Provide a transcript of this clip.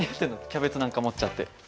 キャベツなんか持っちゃって。